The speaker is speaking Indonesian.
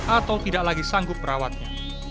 atau tidak lagi sanggup merawatnya